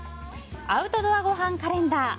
アウトドアごはんカレンダー。